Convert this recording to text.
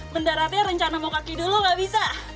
mendaratnya rencana mau kaki dulu nggak bisa